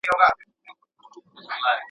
رنګ په وینو سره چاړه یې هم تر ملا وه.